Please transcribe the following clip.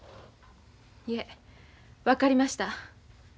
いえ分かりました。